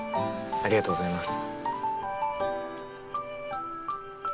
ありがとうございます。